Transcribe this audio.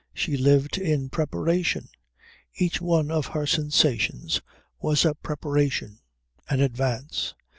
She lived in preparation. Each one of her sensations was a preparation, an advance.